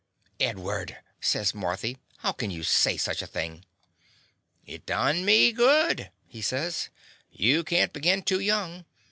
''Edward!'* says Marthy. "How can you say such a thing?" "It done me good," he says. "You can't begin too young.